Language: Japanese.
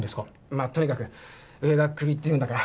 まあとにかく上がクビって言うんだから